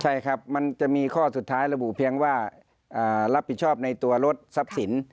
ใช่ครับมันจะมีข้อสุดท้ายระบุเพียงว่ารับผิดชอบในตัวรถทรัพย์สิน